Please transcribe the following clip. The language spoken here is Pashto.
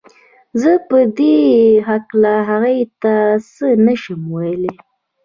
زه په دې هکله هغې ته څه نه شم ويلی